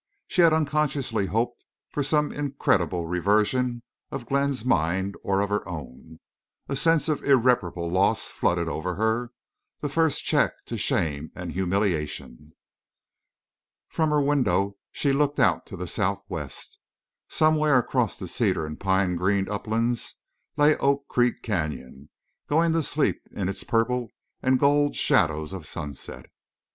Had she unconsciously hoped for some incredible reversion of Glenn's mind or of her own? A sense of irreparable loss flooded over her—the first check to shame and humiliation. From her window she looked out to the southwest. Somewhere across the cedar and pine greened uplands lay Oak Creek Canyon, going to sleep in its purple and gold shadows of sunset.